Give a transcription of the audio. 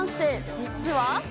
実は。